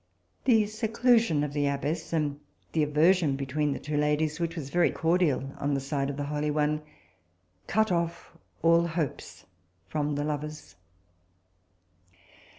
The seclusion of the abbess, and the aversion between the two ladies, which was very cordial on the side of the holy one, cut off all hopes from the lovers.